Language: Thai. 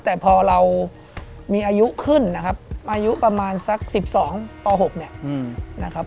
แต่พอเรามีอายุขึ้นนะครับอายุประมาณสัก๑๒ป๖เนี่ยนะครับ